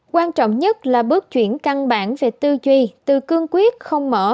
quan trọng nhất là bước chuyển căn bản về tư duy từ cương quyết không mở